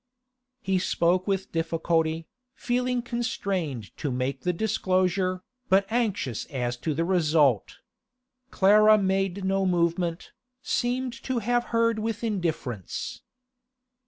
He spoke with difficulty, feeling constrained to make the disclosure, but anxious as to its result. Clara made no movement, seemed to have heard with indifference.